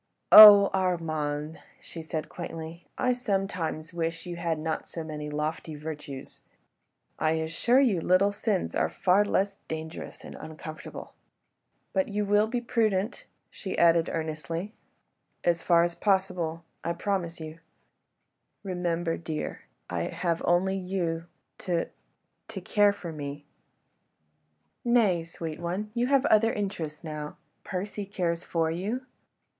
"Oh! Armand!" she said quaintly, "I sometimes wish you had not so many lofty virtues. ... I assure you little sins are far less dangerous and uncomfortable. But you will be prudent?" she added earnestly. "As far as possible ... I promise you." "Remember, dear, I have only you ... to ... to care for me. ..." "Nay, sweet one, you have other interests now. Percy cares for you.